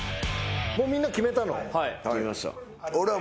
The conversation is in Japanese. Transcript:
もうみんな決めたの？